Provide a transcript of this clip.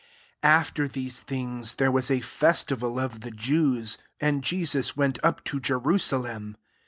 1 AFTER these things there was a festival of the Jews ; and Jesus went up to Jerusa lem.